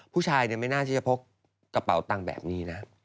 ผู้ชายเนี่ยไม่น่าจะซักตั้งแบบนี้นะ